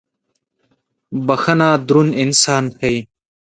• بخښن دروند انسان ښيي.